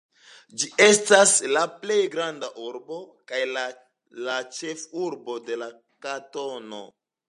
Ĝi estas la plej granda urbo, kaj la ĉefurbo de la kantono.